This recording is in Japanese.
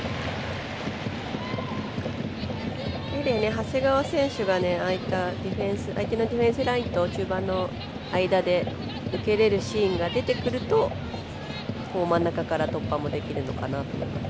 長谷川選手が相手のディフェンスラインと中盤の間で受けれるシーンが出てくると真ん中から突破もできるのかなと思うので。